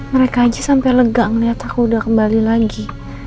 mereka aja sampe lega ngeliat aku udah kembali lagi